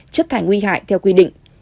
chất thải nguy hại theo quy định